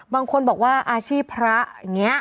บางคนบอกว่าอาชีพพระอย่างนี้